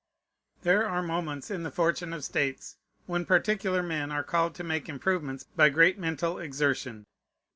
There are moments in the fortune of states, when particular men are called to make improvements by great mental exertion.